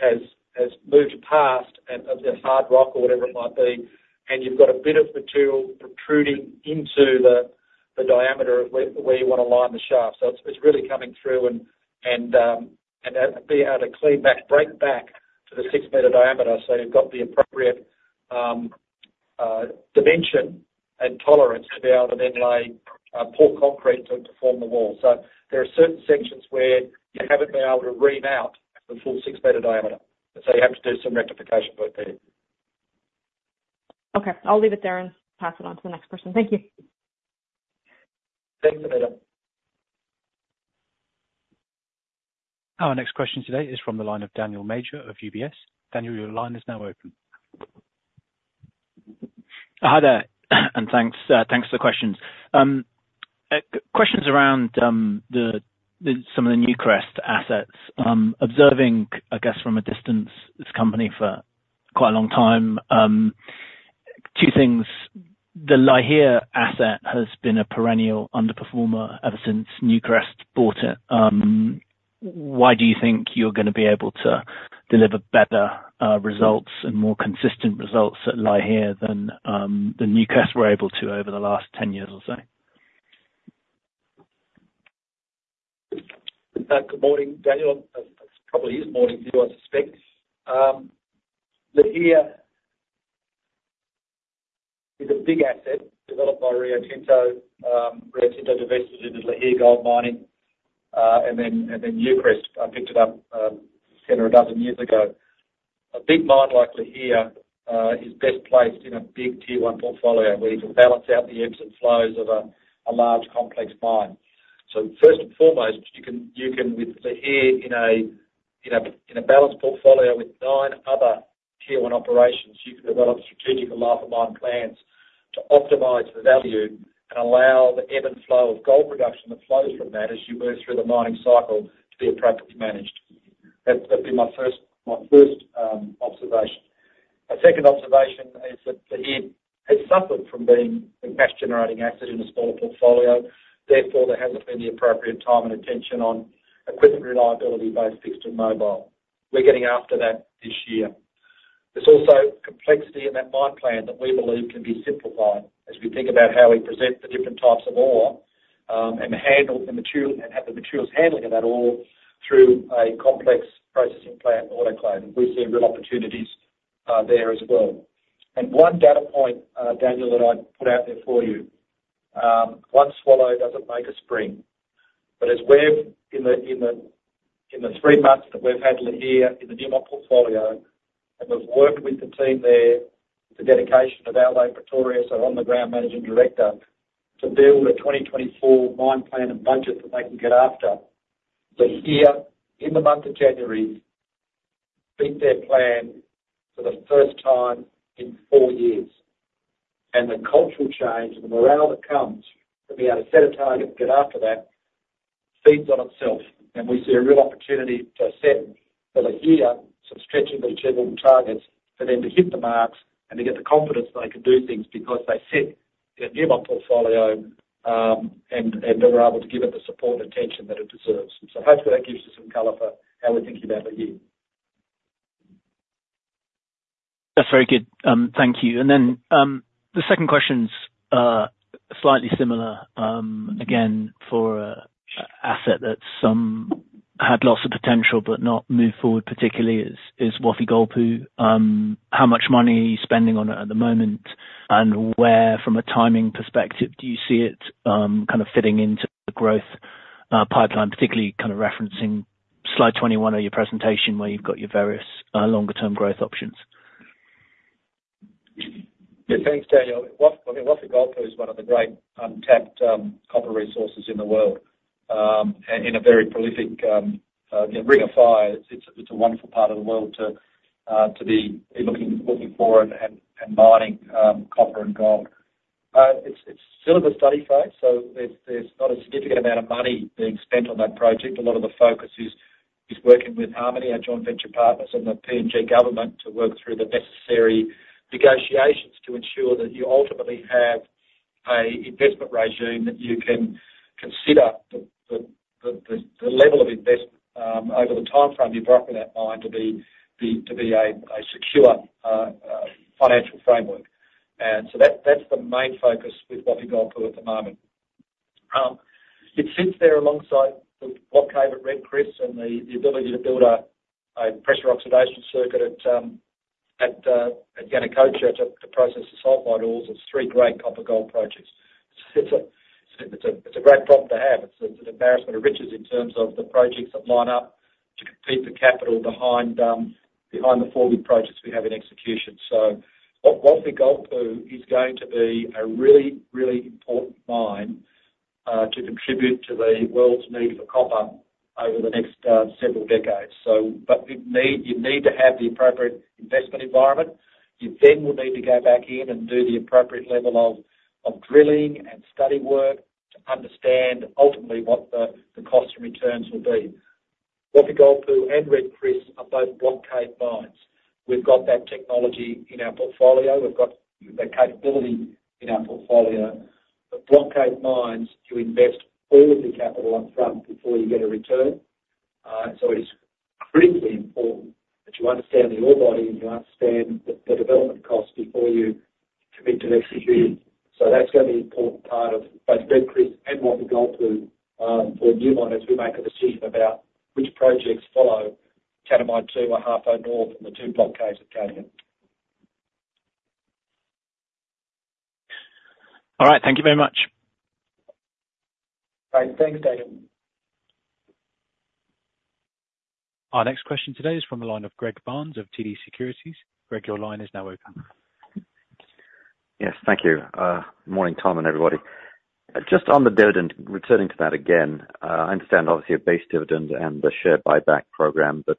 has moved past of the hard rock or whatever it might be. You've got a bit of material protruding into the diameter of where you want to line the shaft. So it's really coming through and being able to break back to the six-meter diameter so you've got the appropriate dimension and tolerance to be able to then pour concrete to form the wall. So there are certain sections where you haven't been able to ream out the full 6-meter diameter. And so you have to do some rectification work there. Okay. I'll leave it there and pass it on to the next person. Thank you. Thanks, Anita. Our next question today is from the line of Daniel Major of UBS. Daniel, your line is now open. Hi there. And thanks for the questions. Questions around some of the Newcrest assets. Observing, I guess, from a distance, this company for quite a long time, two things. The Lihir asset has been a perennial underperformer ever since Newcrest bought it. Why do you think you're going to be able to deliver better results and more consistent results at Lihir than Newcrest were able to over the last 10 years or so? Good morning, Daniel. It probably is morning for you, I suspect. Lihir is a big asset developed by Rio Tinto. Rio Tinto invested in the Lihir gold mining. And then Newcrest picked it up 10 or a dozen years ago. A big mine like Lihir is best placed in a big Tier 1 portfolio where you can balance out the ebbs and flows of a large, complex mine. First and foremost, with Lihir in a balanced portfolio with nine other Tier 1 operations, you can develop strategic alliance of mine plans to optimize the value and allow the ebb and flow of gold production that flows from that as you move through the mining cycle to be appropriately managed. That'd be my first observation. My second observation is that Lihir has suffered from being a cash-generating asset in a smaller portfolio. Therefore, there hasn't been the appropriate time and attention on equipment reliability-based fixed and mobile. We're getting after that this year. There's also complexity in that mine plan that we believe can be simplified as we think about how we present the different types of ore and have the materials handling of that ore through a complex processing plant autoclave. We see real opportunities there as well. And one data point, Daniel, that I'd put out there for you. One swallow doesn't make a spring. But as we've in the three months that we've had Lihir in the Newmont portfolio and we've worked with the team there, the dedication of our laboratories and on-the-ground managing director to build a 2024 mine plan and budget that they can get after, Lihir, in the month of January, beat their plan for the first time in four years. And the cultural change and the morale that comes from being able to set a target and get after that feeds on itself. We see a real opportunity to set for Lihir some stretchy but achievable targets for them to hit the marks and to get the confidence that they can do things because they sit in a Newmont portfolio and they were able to give it the support and attention that it deserves. Hopefully, that gives you some color for how we're thinking about Lihir. That's very good. Thank you. Then the second question's slightly similar. Again, for an asset that had lots of potential but not moved forward particularly, is Wafi-Golpu. How much money are you spending on it at the moment? And where, from a timing perspective, do you see it kind of fitting into the growth pipeline, particularly kind of referencing Slide 21 of your presentation where you've got your various longer-term growth options? Yeah. Thanks, Daniel. I mean, Wafi-Golpu is one of the great untapped copper resources in the world in a very prolific Ring of Fire. It's a wonderful part of the world to be looking for and mining copper and gold. It's still in the study phase. So there's not a significant amount of money being spent on that project. A lot of the focus is working with Harmony, our joint venture partners, and the PNG government to work through the necessary negotiations to ensure that you ultimately have an investment regime that you can consider the level of investment over the timeframe you've brought from that mine to be a secure financial framework. And so that's the main focus with Wafi-Golpu at the moment. It sits there alongside the Block Cave at Red Chris and the ability to build a pressure oxidation circuit at Yanacocha to process the sulfide ores. It's three great copper-gold projects. It's a great problem to have. It's an embarrassment of riches in terms of the projects that line up to compete for capital behind the forward projects we have in execution. So Wafi-Golpu is going to be a really, really important mine to contribute to the world's need for copper over the next several decades. But you need to have the appropriate investment environment. You then will need to go back in and do the appropriate level of drilling and study work to understand, ultimately, what the cost and returns will be. Wafi-Golpu and Red Chris are both block cave mines. We've got that technology in our portfolio. We've got that capability in our portfolio. But block cave mines, you invest all of your capital upfront before you get a return. So it is critically important that you understand the ore body and you understand the development cost before you commit to executing. So that's going to be an important part of both Red Chris and Wafi-Golpu for Newmont as we make a decision about which projects follow Tanami 2, Ahafo North and the two block caves at Cadia. All right. Thank you very much. Great. Thanks, Daniel. Our next question today is from the line of Greg Barnes of TD Securities. Greg, your line is now open. Yes. Thank you. Good morning, Tom and everybody. Just on the dividend, returning to that again, I understand, obviously, a base dividend and the share buyback program. But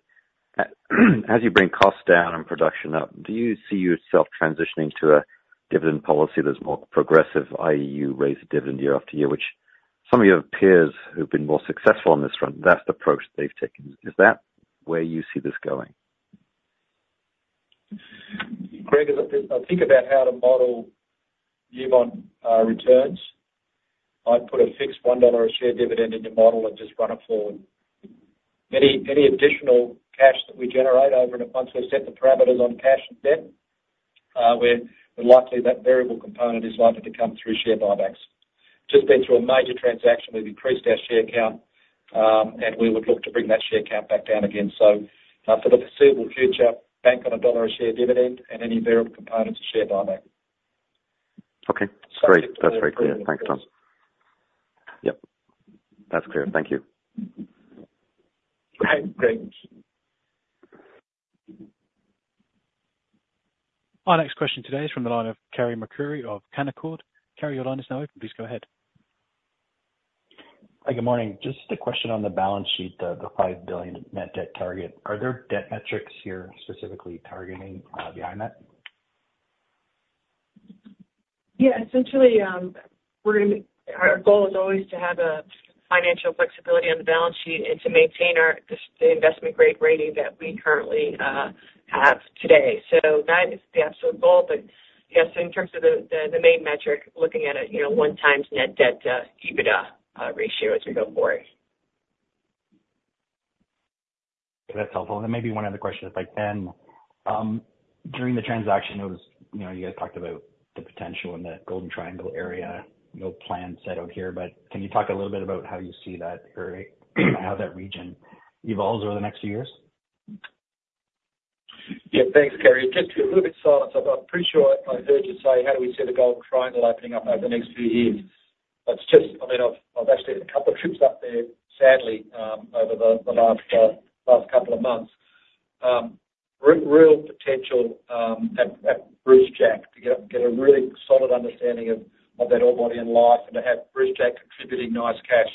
as you bring costs down and production up, do you see yourself transitioning to a dividend policy that's more progressive, i.e., you raise a dividend year after year, which some of your peers who've been more successful on this front, that's the approach that they've taken. Is that where you see this going? Greg, as I think about how to model Newmont returns, I'd put a fixed $1 a share dividend in your model and just run it forward. Any additional cash that we generate over and once we've set the parameters on cash and debt, that variable component is likely to come through share buybacks. We've just been through a major transaction. We've increased our share count. And we would look to bring that share count back down again. So for the foreseeable future, bank on a dollar a share dividend and any variable components of share buyback. Okay. That's great. That's very clear. Thanks, Tom. Yep. That's clear. Thank you. Great. Great. Our next question today is from the line of Carey MacRury of Canaccord. Kerry, your line is now open. Please go ahead. Hi. Good morning. Just a question on the balance sheet, the $5 billion net debt target. Are there debt metrics here specifically targeting behind that? Yeah. Essentially, our goal is always to have financial flexibility on the balance sheet and to maintain the investment-grade rating that we currently have today. So that is the absolute goal. But yes, in terms of the main metric, looking at it 1x net debt/EBITDA ratio as we go forward. That's helpful. And then maybe one other question is, then, during the transaction, you guys talked about the potential in the golden triangle area, no plan set out here. But can you talk a little bit about how you see that, how that region evolves over the next few years? Yeah. Thanks, Carey. Just to be a little bit solid, I'm pretty sure I heard you say, "How do we see the Golden Triangle opening up over the next few years?" I mean, I've actually had a couple of trips up there, sadly, over the last couple of months. Real potential at Brucejack to get a really solid understanding of that ore body in life and to have Brucejack contributing nice cash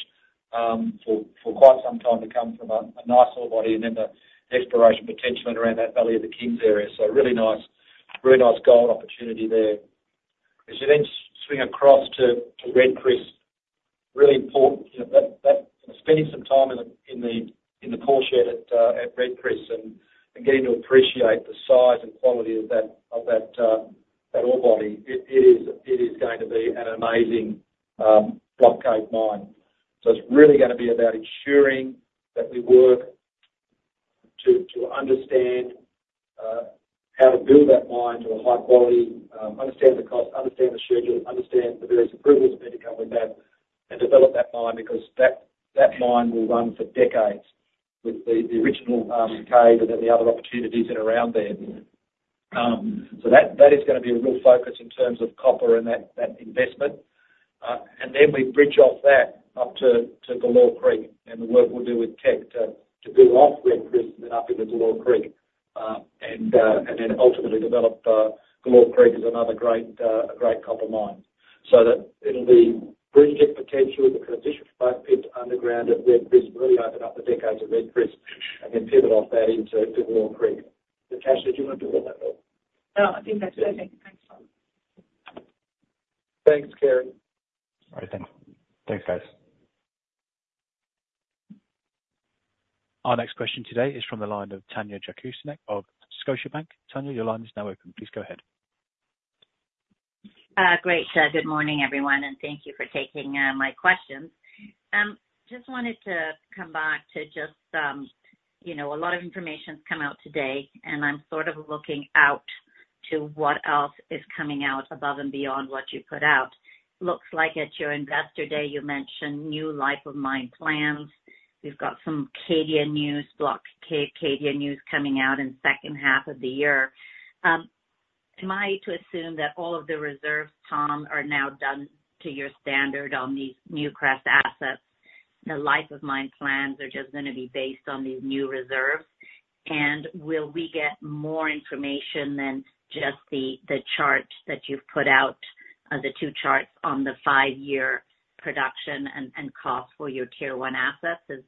for quite some time to come from a nice ore body and then the exploration potential around that Valley of the Kings area. So really nice gold opportunity there. As you then swing across to Red Chris, really important, spending some time in the portion at Red Chris and getting to appreciate the size and quality of that ore body, it is going to be an amazing block cave mine. So it's really going to be about ensuring that we work to understand how to build that mine to a high quality, understand the cost, understand the schedule, understand the various approvals that need to come with that, and develop that mine because that mine will run for decades with the original cave and then the other opportunities that are around there. So that is going to be a real focus in terms of copper and that investment. And then we bridge off that up to Galore Creek. The work we'll do with Teck to build off Red Chris and then up into Galore Creek and then ultimately develop Galore Creek as another great copper mine. It'll be Brucejack potential, the transition from Buckfield to underground at Red Chris, really open up the decades of Red Chris and then pivot off that into Galore Creek. The cash that you want to do on that, Bill? No. I think that's it. Thanks, Tom. Thanks, Carey. All right. Thanks. Thanks, guys. Our next question today is from the line of Tanya Jakusconek of Scotiabank. Tanya, your line is now open. Please go ahead. Great. Good morning, everyone. Thank you for taking my questions. Just wanted to come back to just a lot of information's come out today. I'm sort of looking out to what else is coming out above and beyond what you put out. Looks like at your investor day, you mentioned new life-of-mine plans. We've got some Cadia news, block cave Cadia news, coming out in the second half of the year. Am I to assume that all of the reserves, Tom, are now done to your standard on these Newcrest assets? The life-of-mine plans are just going to be based on these new reserves? And will we get more information than just the chart that you've put out, the two charts on the five-year production and cost for your Tier 1 assets?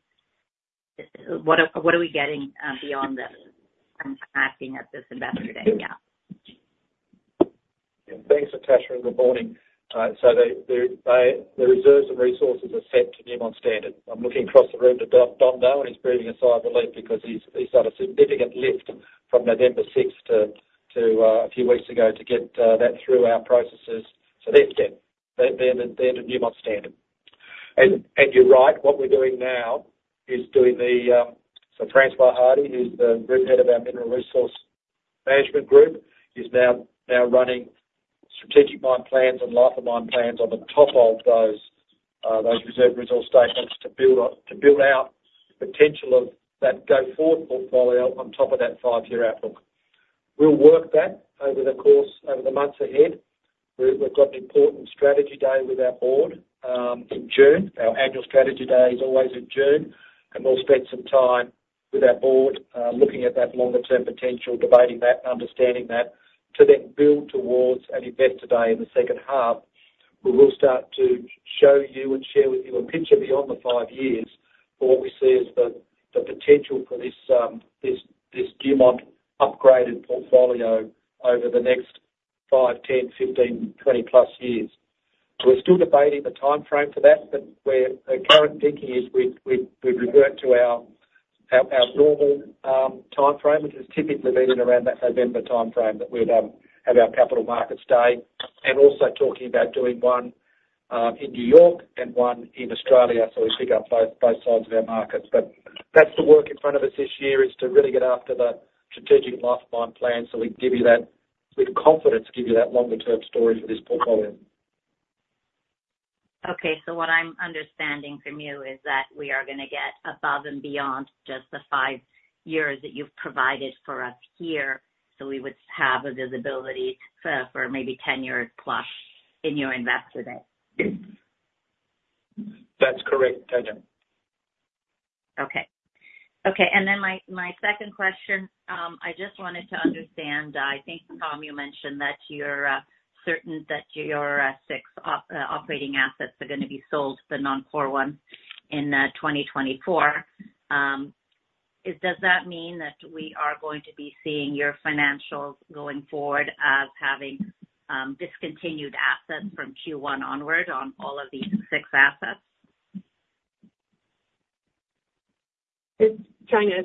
What are we getting beyond that I'm asking at this investor day? Yeah. Yeah. Thanks, Natascha. Good morning. So the reserves and resources are set to Newmont standard. I'm looking across the room to Don now. He's breathing a sigh of relief because he's got a significant lift from November 6th to a few weeks ago to get that through our processes. So they're set. They're the Newmont standard. And you're right. What we're doing now is doing the so François Hardy, who's the Group Head of our Mineral Resource Management Group, is now running strategic mine plans and life-of-mine plans on the top of those reserve resource statements to build out the potential of that go-forward portfolio on top of that five-year outlook. We'll work that over the months ahead. We've got an important strategy day with our board in June. Our annual strategy day is always in June. We'll spend some time with our board looking at that longer-term potential, debating that and understanding that to then build towards an investor day in the second half where we'll start to show you and share with you a picture beyond the five years for what we see as the potential for this Newmont upgraded portfolio over the next 5, 10, 15, 20+ years. So we're still debating the timeframe for that. Our current thinking is we've reverted to our normal timeframe, which has typically been in around that November timeframe that we'd have our capital markets day and also talking about doing one in New York and one in Australia so we pick up both sides of our markets. But that's the work in front of us this year, is to really get after the strategic life-of-mine plans so we can give you that with confidence, give you that longer-term story for this portfolio. Okay. So what I'm understanding from you is that we are going to get above and beyond just the five years that you've provided for us here so we would have a visibility for maybe 10+ years in your investor day. That's correct, Tanya. Okay. Okay. And then my second question, I just wanted to understand. I think, Tom, you mentioned that you're certain that your six operating assets are going to be sold, the non-core ones, in 2024. Does that mean that we are going to be seeing your financials going forward as having discontinued assets from Q1 onward on all of these six assets? Tanya,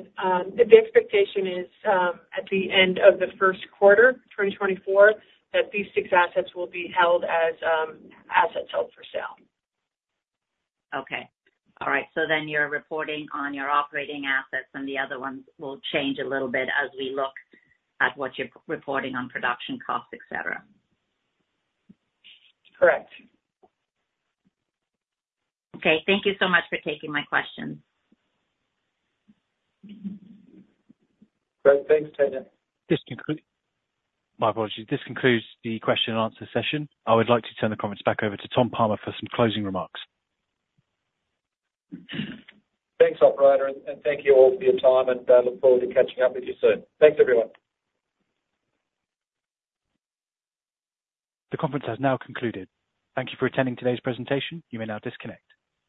the expectation is at the end of the first quarter 2024 that these six assets will be held as assets held for sale. Okay. All right. So then you're reporting on your operating assets. And the other ones will change a little bit as we look at what you're reporting on production costs, etc. Correct. Okay. Thank you so much for taking my questions. Great. Thanks, Tanya. My apologies. This concludes the question-and-answer session. I would like to turn the comments back over to Tom Palmer for some closing remarks. Thanks, operator. And thank you all for your time. And I look forward to catching up with you soon. Thanks, everyone. The conference has now concluded. Thank you for attending today's presentation. You may now disconnect.